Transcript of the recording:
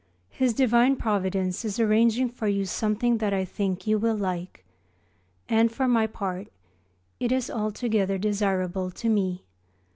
His divine Providence is arranging for you something that I think you will like: and for my part, it is altogether desirable to me.